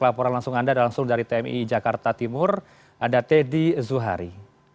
laporan langsung anda langsung dari tmi jakarta timur ada teddy zuhari